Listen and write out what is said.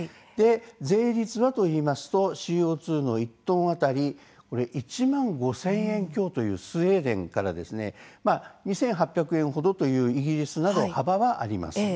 税率はＣＯ２、１トン当たり１万５０００円強というスウェーデンから２８００円ほどというイギリスなど幅があります。